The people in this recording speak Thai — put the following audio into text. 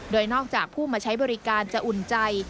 โดยนอกจากผู้มาใช้บริการจะอุ่นใจ